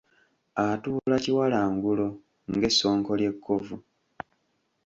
Atuula kiwalangulo, ng’essonko ly’ekkovu.